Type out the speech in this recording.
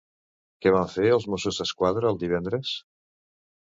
Què van fer els Mossos d'Esquadra el divendres?